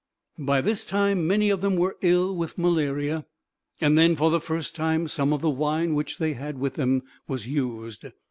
By this time many of them were ill with malaria; then for the first time some of the wine which they had with them was used.